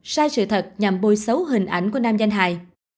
sai sự thật nhằm bôi xấu hình ảnh của nam danh hài